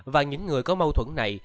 và những người có mâu thuẫn này